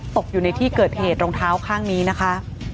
ตกอยู่ในที่เกิดเหตุรองเท้าข้างนี้นะคะ